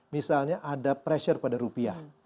misalnya ada pressure pada rupiah